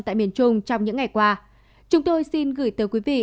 tại miền trung trong những ngày qua chúng tôi xin gửi tới quý vị